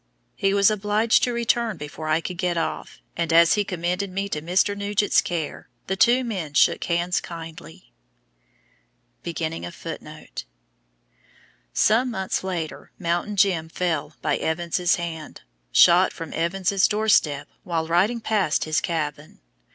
He was obliged to return before I could get off, and as he commended me to Mr. Nugent's care, the two men shook hands kindly. Some months later "Mountain Jim" fell by Evans's hand, shot from Evans's doorstep while riding past his cabin.